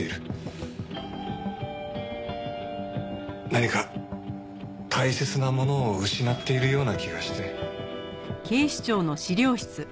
何か大切なものを失っているような気がして。